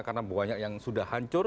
karena banyak yang sudah hancur